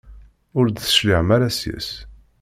Ur d-tecliɛem ara seg-s.